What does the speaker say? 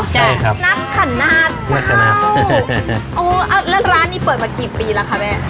ใช่ครับนักขณะเจ้านักขณะโอ้อ่าแล้วร้านนี้เปิดมากี่ปีแล้วค่ะแม่